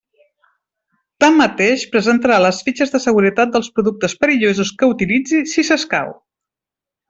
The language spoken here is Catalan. Tanmateix, presentarà les fitxes de seguretat dels productes perillosos que utilitzi, si s'escau.